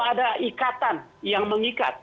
ada ikatan yang mengikat